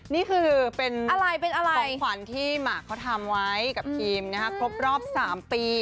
นี่เป็นของขวัญให้มากเพื่อนทำเอาไว้ประมาณ๓ปี